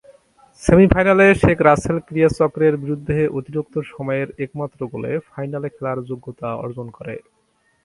সেমিফাইনালে শেখ রাসেল ক্রীড়া চক্রের বিরুদ্ধে অতিরিক্ত সময়ের একমাত্র গোলে ফাইনালে খেলার যোগ্যতা অর্জন করে।